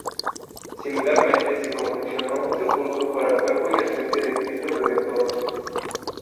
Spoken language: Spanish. Similarmente, se confeccionó un Sepulcro para el cuerpo yacente de Cristo Redentor.